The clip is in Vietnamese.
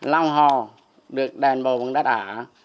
long hò được đền bù bằng đất ả